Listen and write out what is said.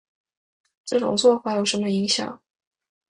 这种做法有什么影响